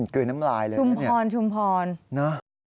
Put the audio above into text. ใช่ชุมพรเลยนะเนี่ยนะ